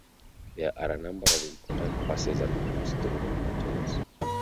There are a number of important passes and routes through the mountains.